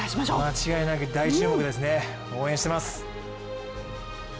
間違いなく大注目ですね応援してます。